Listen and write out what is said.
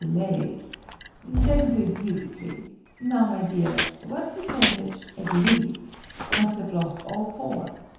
a leg that'll do it beautifully. Now, my dear, what percentage, at least, must have lost all four?"